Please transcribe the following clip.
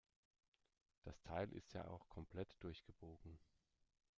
Das Teil ist ja auch komplett durchgebogen.